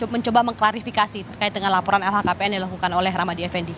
mencoba mengklarifikasi terkait dengan laporan lhkpn yang dilakukan oleh ramadi effendi